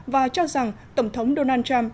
và cho rằng tổng thống donald trump